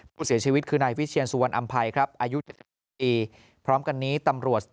ผู้เสียชีวิตคือนายวิเชียนสุวรรณอำภัยครับอายุ๗๖ปีพร้อมกันนี้ตำรวจ